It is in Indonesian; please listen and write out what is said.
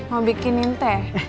mau bikinin teh